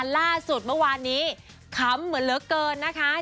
ล่าสุดเมื่อวานนี้ขำเหมือนเหลือเกินนะคะ